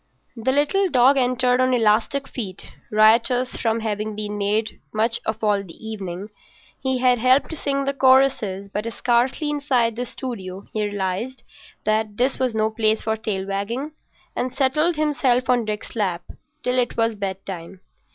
The little dog entered on elastic feet, riotous from having been made much of all the evening. He had helped to sing the choruses; but scarcely inside the studio he realised that this was no place for tail wagging, and settled himself on Dick's lap till it was bedtime.